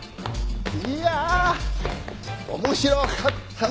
いやぁ面白かったなぁ。